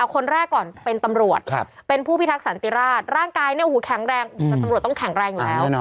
คนแรกก่อนเป็นตำรวจเป็นผู้พิทักษันติราชร่างกายแข็งแรงแต่ตำรวจต้องแข็งแรงอยู่แล้ว